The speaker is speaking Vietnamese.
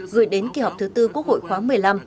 gửi đến kỳ họp thứ tư quốc hội khoáng một mươi năm